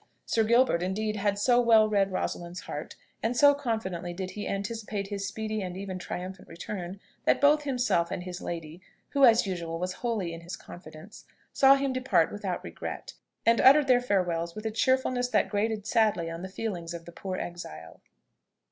Sir Gilbert, indeed, had so well read Rosalind's heart, and so confidently did he anticipate his speedy and even triumphant return, that both himself and his lady, who as usual was wholly in his confidence, saw him depart without regret, and uttered their farewells with a cheerfulness that grated sadly on the feelings of the poor exile.